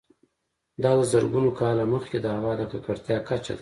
دا د زرګونه کاله مخکې د هوا د ککړتیا کچه ده